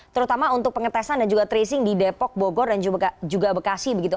terutama untuk pengetesan dan juga tracing di depok bogor dan juga bekasi begitu